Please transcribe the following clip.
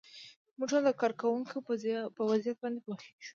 موږ ټول د کارکوونکو په وضعیت باندې پوهیږو.